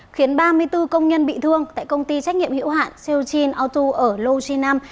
khiến ba mươi bốn công nhân bị thương tại công ty trách nhiệm hữu hạn seochin auto ở lô chi nam